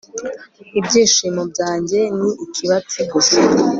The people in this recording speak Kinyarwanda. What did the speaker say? Ibyishimo byanjye ni ikibatsi gusa